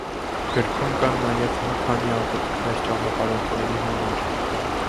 Գրքում կան նաև մի քանի աղոթքներ ճանապարհորդների համար։